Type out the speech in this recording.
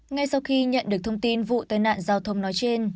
ngay sau khi nhận được thông tin vụ tai nạn giao thông nói trên